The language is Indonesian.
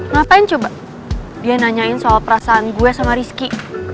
ngapain coba dia nanyain soal perasaan gue sama rizky